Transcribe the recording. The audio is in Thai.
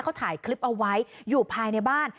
เขาถ่ายคลิปเอาไว้อยู่ภายในบ้าน